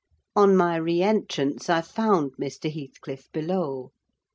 On my re entrance, I found Mr. Heathcliff below.